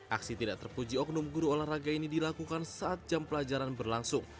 aksi tidak terpuji oknum guru olahraga ini dilakukan saat jam pelajaran berlangsung